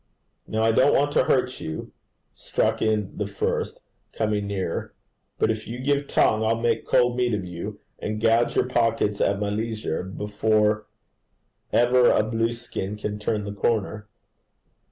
'Now I don't want to hurt you,' struck in the first, coming nearer, 'but if you gives tongue, I'll make cold meat of you, and gouge your pockets at my leisure, before ever a blueskin can turn the corner.'